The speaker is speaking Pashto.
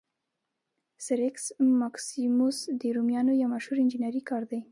سرکس ماکسیموس د رومیانو یو مشهور انجنیري کار دی.